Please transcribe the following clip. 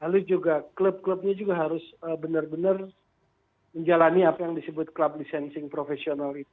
lalu juga klub klubnya juga harus benar benar menjalani apa yang disebut club licensing professional itu